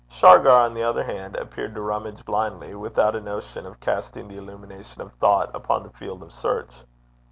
Shargar, on the other hand, appeared to rummage blindly without a notion of casting the illumination of thought upon the field of search.